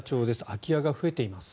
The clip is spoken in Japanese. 空き家が増えています。